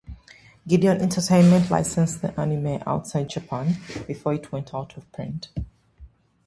Geneon Entertainment licensed the anime outside Japan before it went out of print.